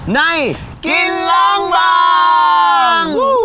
ในกินล้างบาง